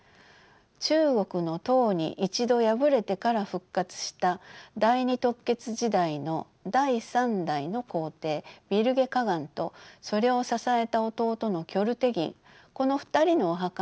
中国の唐に一度敗れてから復活した第二突厥時代の第３代の皇帝ビルゲ可汗とそれを支えた弟のキョル・テギンこの２人のお墓にそれぞれ石碑が建てられました。